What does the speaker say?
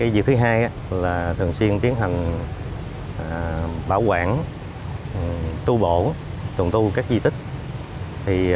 việc thứ hai là thường xuyên tiến hành bảo quản tu bổ trùng tu các di tích